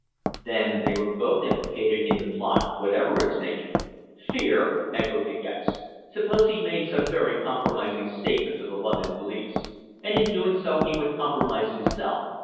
Then they were both implicated in the plot, whatever its nature. "Fear!" echoed De Gex. "Suppose he made some very compromising statement to the London police." "And in doing so he would compromise himself!